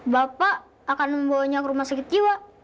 bapak akan membawanya ke rumah sakit jiwa